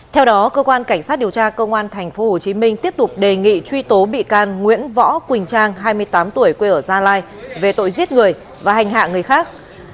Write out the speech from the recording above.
theo đó cơ quan cảnh sát điều tra công an tp hcm tiếp tục đề nghị truy tố bị can nguyễn võ quỳnh trang hai mươi tám tuổi quê ở gia lai về tội giết người và hành hạ người khác